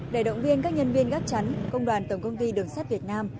để động viên các nhân viên gác chắn công đoàn tổng công ty đường sát việt nam